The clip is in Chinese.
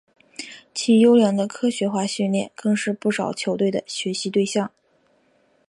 其优良的科学化训练更是不少球队的学习对象。